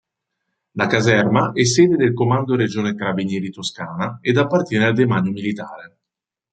La caserma è sede del Comando regione carabinieri Toscana ed appartiene al demanio militare.